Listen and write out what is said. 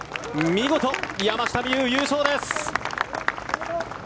見事、山下美夢有、優勝です！